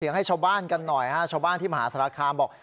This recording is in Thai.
ให้ชาวบ้านกันหน่อยฮะชาวบ้านที่มหาสารคามบอก